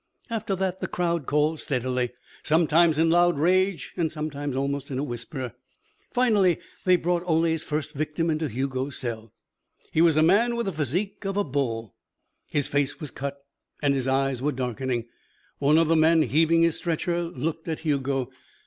After that the crowd called steadily, sometimes in loud rage and sometimes almost in a whisper. Finally they brought Ole's first victim into Hugo's cell. He was a man with the physique of a bull. His face was cut and his eyes were darkening. One of the men heaving his stretcher looked at Hugo.